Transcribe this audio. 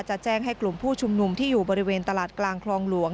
จะแจ้งให้กลุ่มผู้ชุมนุมที่อยู่บริเวณตลาดกลางคลองหลวง